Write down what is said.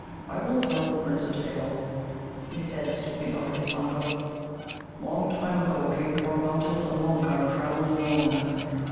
"I will tell the Prince a tale," he said, stooping over his bundle. "Long time ago came to our mountains a Mulgar travelling alone.